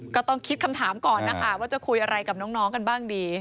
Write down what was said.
ก็ต้องคิดคำถามก่อนนะคะว่าจะคุยอะไรกับน้องกันบ้างดี